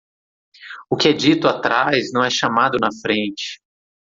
O que é dito atrás não é chamado na frente.